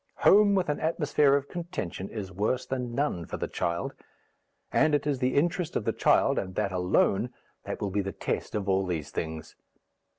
Home with an atmosphere of contention is worse than none for the child, and it is the interest of the child, and that alone, that will be the test of all these things.